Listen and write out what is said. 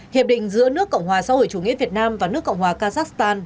hiệp định giữa nước cộng hòa xã hội chủ nghĩa việt nam và nước cộng hòa kazakhstan